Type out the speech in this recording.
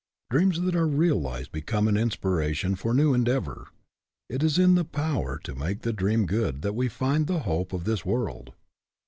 Dreams that are realized become an inspira tion for new endeavor. It is in the power to make the dream good that we find the hope of this world.